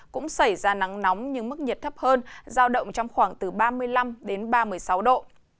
cũng xảy ra nắng nóng nhưng mức nhiệt thấp hơn giao động trong khoảng từ ba mươi năm đến ba mươi sáu độ